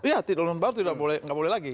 iya lahan baru tidak boleh tidak boleh lagi